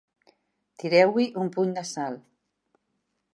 Tireu-hi un puny de sal.